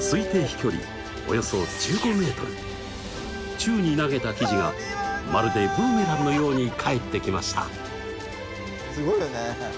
宙に投げた生地がまるでブーメランのように返ってきました！